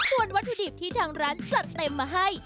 ส่วนวัตถุดิบที่ทางร้านจัดเต็มมาให้